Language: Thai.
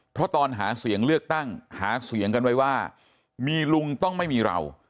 เพราะตอนหาเสียงเลือกตั้งหาเสียงกันไว้ว่ามีลุงต้องไม่มีเรา